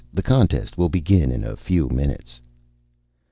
The contest will begin in a few minutes."